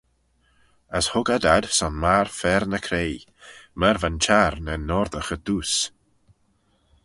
As hug ad ad son magher fer-ny-craie, myr va'n çhiarn er noardaghey dooys.